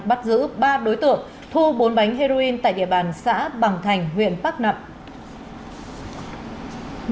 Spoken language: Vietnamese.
bắt giữ ba đối tượng thu bốn bánh heroin tại địa bàn xã bằng thành huyện bắc nập